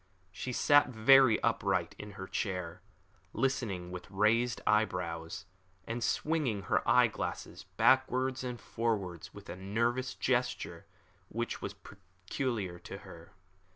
She sat very upright in her chair, listening with raised eyebrows, and swinging her eye glasses backwards and forwards with a nervous gesture which was peculiar to her.